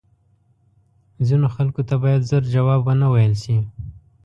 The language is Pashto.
ځینو خلکو ته باید زر جواب وه نه ویل شې